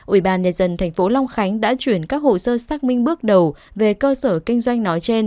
ủy ban nhân dân tp long khánh đã chuyển các hồ sơ xác minh bước đầu về cơ sở kinh doanh nói trên